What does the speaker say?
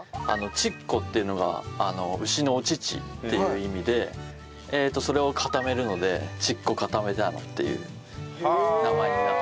「チッコ」っていうのが「牛のお乳」っていう意味でそれを固めるので「チッコカタメターノ」っていう名前に。